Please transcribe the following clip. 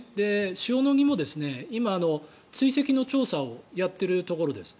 塩野義も今、追跡の調査をやっているところです。